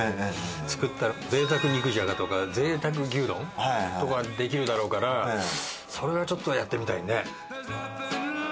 作ったぜいたく肉じゃがとかぜいたく牛丼とかできるだろうからそれはちょっとやってみたいね。